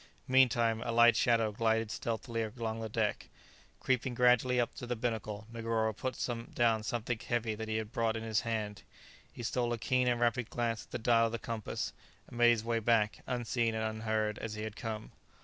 Meantime a light shadow glided stealthily along the deck. Creeping gradually up to the binnacle, Negoro put down something heavy that he had brought in his hand. He stole a keen and rapid glance at the dial of the compass, and made his way back, unseen and unheard as he had come.